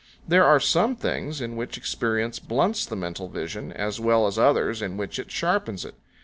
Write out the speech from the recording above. There are some things in which experience blunts the mental vision, as well as others in which it sharpens it.